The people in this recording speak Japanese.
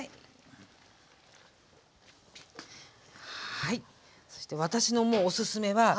はいそして私のもうおすすめはトマト。